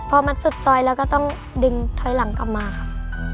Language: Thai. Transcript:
พอมันสุดซอยแล้วก็ต้องดึงถอยหลังกลับมาค่ะ